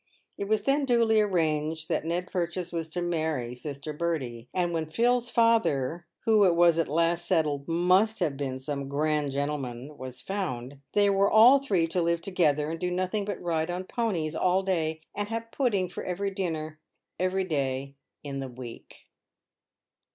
It was then duly arranged that Ned Purchase was to marry sister Bertie ; and when Phil's father — who it was at last settled must have been some grand gentle man — was found, they were all three to live together, and do nothing but ride on ponies all day, and have pudding for dinner every day in the week.